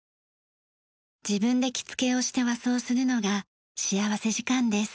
自分で着付けをして和装するのが幸福時間です。